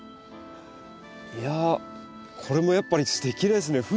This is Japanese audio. いやこれもやっぱりすてきですね。